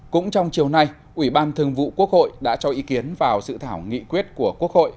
cũng trong chiều nay ủy ban thường vụ quốc hội đã cho ý kiến vào sự thảo nghị quyết của quốc hội